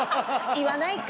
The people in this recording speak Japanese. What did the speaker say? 言わないか。